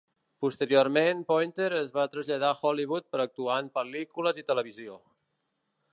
Posteriorment, Pointer es va traslladar a Hollywood per actuar en pel·lícules i televisió.